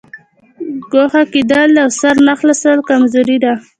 ګوښه کېدل او سر نه خلاصول کمزوري ده.